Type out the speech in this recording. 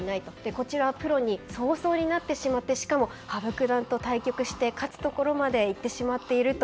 こちらはプロに早々になってしまってしかも羽生九段と対局して勝つところまで行ってしまっていると。